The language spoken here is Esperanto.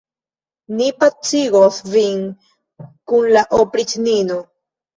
Mi pacigos vin kun la opriĉnino.